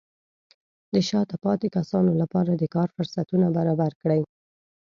د شاته پاتې کسانو لپاره د کار فرصتونه برابر کړئ.